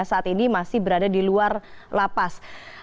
saat ini masih berada di luar lapas